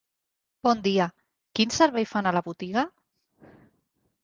Bon dia, quin servei fan a la botiga?